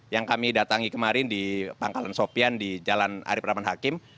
yang kami datangi kemarin di pangkalan sopian di jalan arief rahman hakim